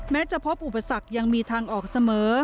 จะพบอุปสรรคยังมีทางออกเสมอ